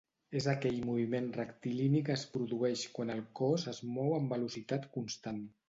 És aquell moviment rectilini que es produeix quan el cos es mou amb velocitat constant.